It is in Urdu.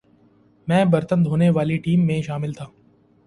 میں برتن دھونے والی ٹیم میں شامل تھا